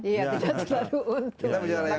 iya tidak selalu untung